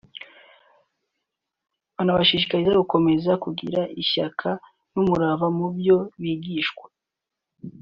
banabashishikariza gukomeza kugira ishyaka n’umurava mu byo bigishwa